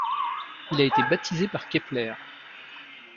Il a été baptisé par Kepler.